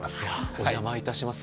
お邪魔いたします。